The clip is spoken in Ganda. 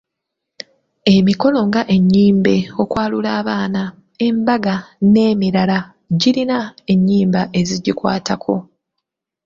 Emikolo nga ennyimbe, okwalula abaana, embaga n’emirala girina ennyimba ezigikwatako.